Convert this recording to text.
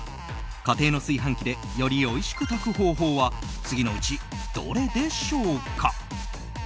家庭の炊飯器でよりおいしく炊く方法は次のうちどれでしょうか。